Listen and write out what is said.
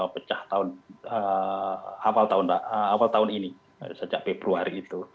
pecah awal tahun ini sejak februari itu